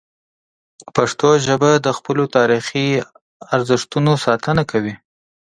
پښتو ژبه د خپلو تاریخي ارزښتونو ساتنه کوي.